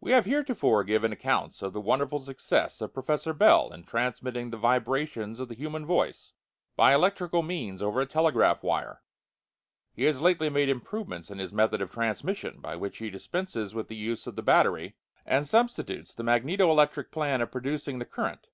We have heretofore given accounts of the wonderful success of Professor Bell in transmitting the vibrations of the human voice by electrical means over a telegraph wire. He has lately made improvements in his method of transmission, by which he dispenses with the use of the battery, and substitutes the magneto electric plan of producing the current.